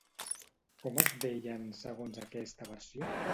Com es deien, segons aquesta versió?